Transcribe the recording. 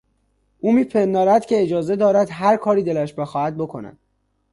او میپندارد که اجازه دارد هرکاری دلش بخواهد بکند.